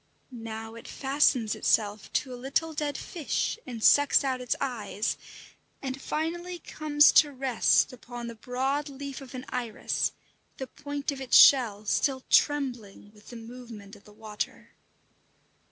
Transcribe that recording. Now it fastens itself to a little dead fish and sucks out its eyes, and finally comes to rest upon the broad leaf of an iris, the point of its shell still trembling with the movement of the water.